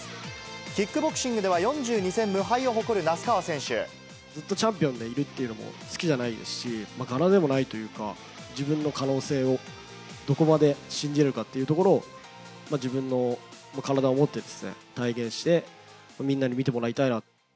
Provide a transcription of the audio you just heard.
キックボクシングでは４２戦無敗ずっとチャンピオンでいるっていうのも好きじゃないですし、柄でもないというか、自分の可能性をどこまで信じれるかっていうところを、自分の体をもってですね、体現して、みんなに見てもらいたいな。